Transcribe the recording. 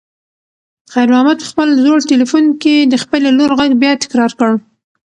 خیر محمد په خپل زوړ تلیفون کې د خپلې لور غږ بیا تکرار کړ.